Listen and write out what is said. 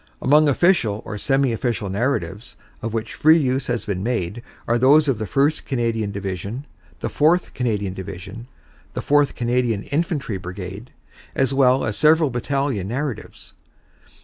Among official or semi official narratives of which free use has been made are those of the 1st Canadian Division, the 4th Canadian Division, the 4th Canadian Infantry Brigade, as well as several battalion narratives.